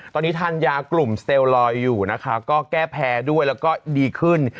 ตอนนี้ทานยากลุ่มสเตลลอยอยู่นะคะก็แก้แพ้ด้วยแล้วก็ดีขึ้น